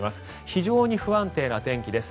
非常に不安定な天気です。